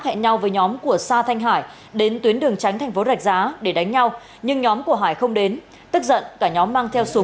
hẹn nhau với nhóm của sa thanh hải đến tuyến đường tránh tp rạch giá để đánh nhau